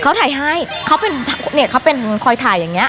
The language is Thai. เขาถ่ายให้เขาเป็นเนี่ยเขาเป็นคอยถ่ายอย่างนี้